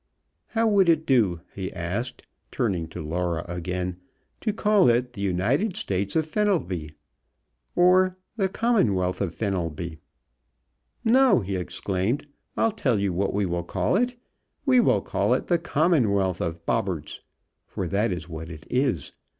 "How would it do," he asked, turning to Laura again, "to call it the 'United States of Fenelby?' Or the 'Commonwealth of Fenelby?' No!" he exclaimed, "I'll tell you what we will call it we will call it the 'Commonwealth of Bobberts,' for that is what it is.